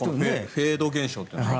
フェード現象っていう。